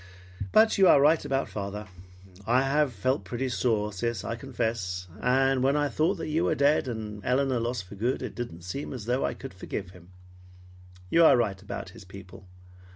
But you are right about father. I have felt pretty sore, sis, I confess, and when I thought you were dead, and Elinor lost for good, it didn't seem as though I could forgive him. You are right about his people.